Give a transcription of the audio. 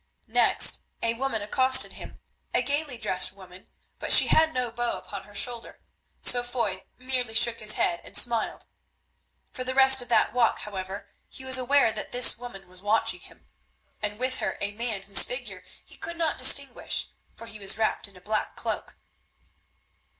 Next a woman accosted him, a gaily dressed woman, but she had no bow upon her shoulder, so Foy merely shook his head and smiled. For the rest of that walk, however, he was aware that this woman was watching him, and with her a man whose figure he could not distinguish, for he was wrapped in a black cloak.